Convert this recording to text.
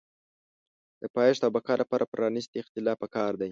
د پایښت او بقا لپاره پرانیستی اختلاف پکار دی.